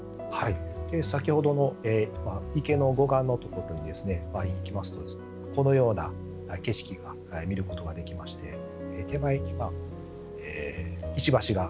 先ほどの池の護岸に行きますと、このような景色が見ることができまして手前には、石橋が。